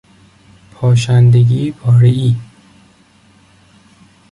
پاشندگی پارهای